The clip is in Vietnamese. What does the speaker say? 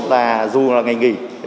là dù là ngày nghỉ